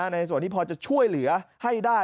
ในส่วนที่พอจะช่วยเหลือให้ได้